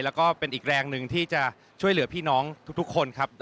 แล้วก็เป็นอีกแรงหนึ่งที่จะช่วยเหลือพี่น้องทุกคนครับ